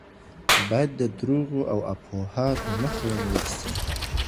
باید د دروغو او افواهاتو مخه ونیول سي.